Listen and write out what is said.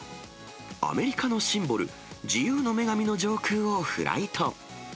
アメリカのシンボル、自由の女神の上空をフライト。